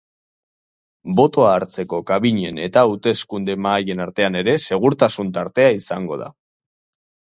Botoa hartzeko kabinen eta hauteskunde mahaien artean ere segurtasun tartea izango da.